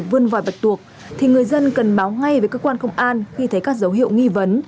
vươn vòi bạch tuộc thì người dân cần báo ngay với cơ quan công an khi thấy các dấu hiệu nghi vấn